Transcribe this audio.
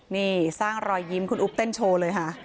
นี่สร้างรอยยิ้มคุณอุ๊บเต้นโชว์เลยค่ะ